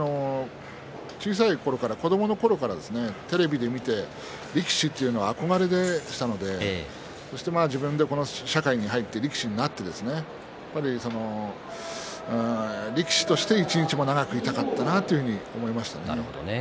小さいころから子どものころからテレビで見て力士というのは憧れでしたのでそして自分でこの社会に入って力士になって力士として一日でも長くいたかったなと思いましたね。